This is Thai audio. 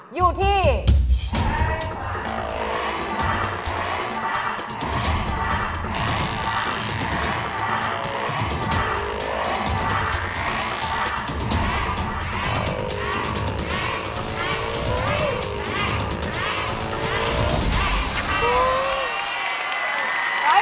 อยู่ที่